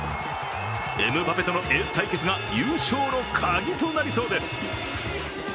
エムバペとのエース対決が優勝のカギとなりそうです。